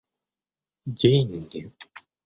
деньги